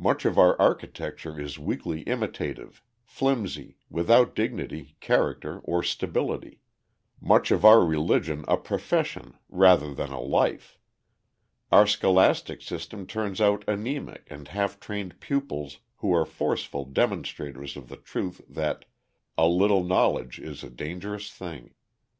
Much of our architecture is weakly imitative, flimsy, without dignity, character, or stability; much of our religion a profession rather than a life; our scholastic system turns out anæmic and half trained pupils who are forceful demonstrators of the truth that "a little knowledge is a dangerous thing."